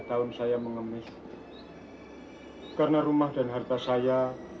sampai jumpa di video selanjutnya